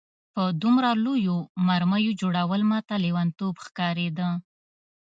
د دومره لویو مرمیو جوړول ماته لېونتوب ښکارېده